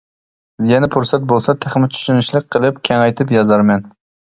يەنە پۇرسەت بولسا تېخىمۇ چۈشىنىشلىك قىلىپ، كېڭەيتىپ يازارمەن.